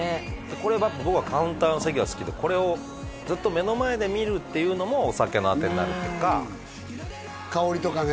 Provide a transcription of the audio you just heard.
これ僕はカウンターの席が好きでこれをずっと目の前で見るっていうのもお酒のあてになるというか香りとかね